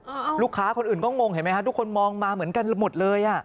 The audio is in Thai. ลูกค้าคนอื่นก็งงเห็นไหมฮะทุกคนมองมาเหมือนกันหมดเลยอ่ะ